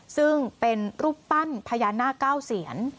ซึ่งเป็นรูปปั้นพญานาคเก้าเซียน